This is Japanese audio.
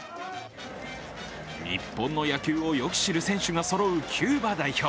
日本の野球をよく知る選手がそろうキューバ代表。